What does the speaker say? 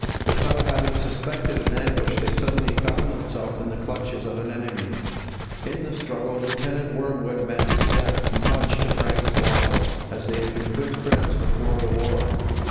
Without having suspected an ambush, they suddenly found themselves in the clutches of an enemy. In the struggle Lieutenant Wormwood met his death, much to Brant's sorrow, as they had been good friends before the war.